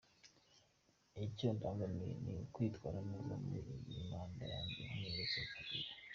Icyo ndangamiye, ni ukwitwara neza muri iyi manda yanjye nk'umuyobozi w'akarere.